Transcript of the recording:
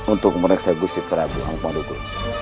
untuk menikmati gusti prabu amok marugo